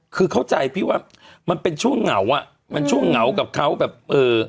คือเข้าใจพี่ว่ามันเป็นช่วงเหงาอ่ะมันช่วงเหงากับเขาแบบเอ่อ